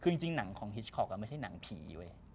คือจริงหนังของฮิชคอกไม่ใช่หนังผีเว้ย